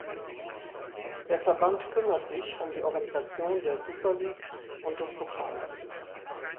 Der Verband kümmert sich um die Organisation der Super League und des Pokals.